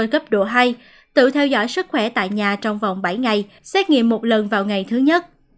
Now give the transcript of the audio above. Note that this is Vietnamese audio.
cấp độ hai tự theo dõi sức khỏe tại nhà trong vòng bảy ngày xét nghiệm một lần vào ngày thứ nhất